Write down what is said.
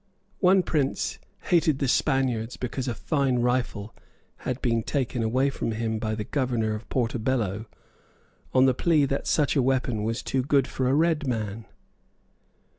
One prince hated the Spaniards because a fine rifle had been taken away from him by the Governor of Portobello on the plea that such a weapon was too good for a red man.